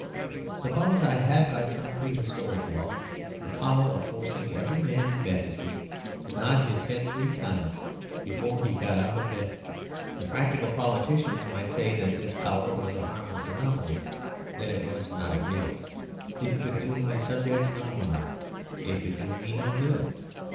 Suppose I had by some prehistoric law the power of forcing every man in Battersea to nod his head three times before he got out of bed. The practical politicians might say that this power was a harmless anomaly; that it was not a grievance. It could do my subjects no harm; it could do me no good.